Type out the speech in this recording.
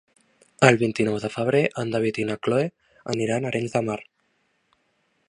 El vint-i-nou de febrer en David i na Cloè aniran a Arenys de Mar.